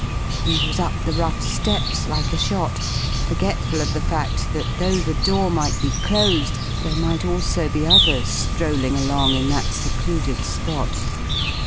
He was up the rough steps like a shot, forgetful of the fact that, though the door might be closed, there might also be others strolling along in that secluded spot.